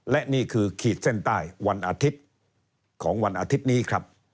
และนี่คือขีดเส้นใต้วันอาทิตย์ของวันอาทิตย์นี้ครับ